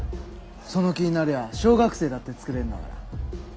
その気になりゃ小学生だってつくれんだから。